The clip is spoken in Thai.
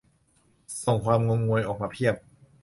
"ส่งความงงงวยออกมาเพียบ"